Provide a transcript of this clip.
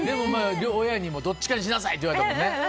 親にもどっちかにしなさいって言われましたね。